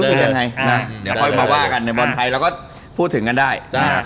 ยังไงนะเดี๋ยวค่อยมาว่ากันในบอลไทยเราก็พูดถึงกันได้